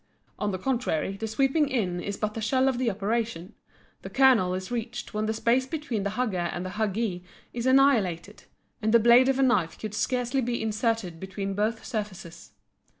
On the contrary the sweeping in is but the shell of the operation. The kernel is reached when the space between the hugger and the huggee is annihilated, and the blade of a knife could scarcely be inserted between both surfaces.